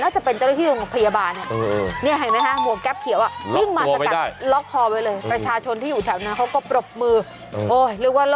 น่าจะเป็นคนที่มาใช้ไปพยาบาล